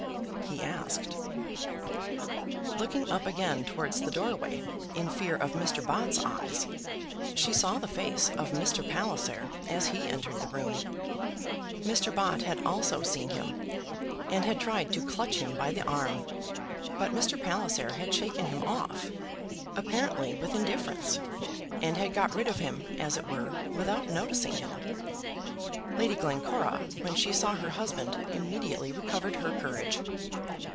he asked. Looking up again towards the doorway, in fear of Mr. Bott's eyes, she saw the face of Mr. Palliser as he entered the room. Mr. Bott had also seen him, and had tried to clutch him by the arm; but Mr. Palliser had shaken him off, apparently with indifference, had got rid of him, as it were, without noticing him. Lady Glencora, when she saw her husband, immediately recovered her courage.